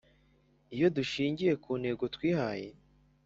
iyo dushingiye kuntego twihaye